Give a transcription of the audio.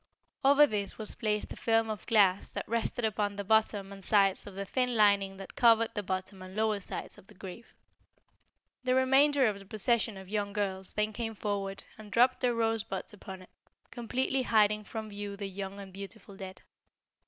Over this was placed a film of glass that rested upon the bottom and sides of the thin lining that covered the bottom and lower sides of the grave. The remainder of the procession of young girls then came forward and dropped their rosebuds upon it, completely hiding from view the young and beautiful dead.